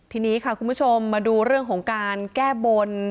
ทีนี้ค่ะคุณผู้ชมมาดูเรื่องของการแก้บน